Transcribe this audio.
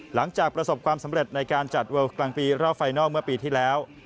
หลังจากประสบความสำเร็จในการจัดเวลกลางปีรอบไฟนัลเมื่อปีที่แล้ว